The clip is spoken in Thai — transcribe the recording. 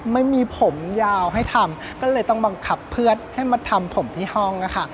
ไม่มีผมยาวให้ทำก็เลยต้องบังคับเพื่อนให้มาทำผมที่ห้องนะคะ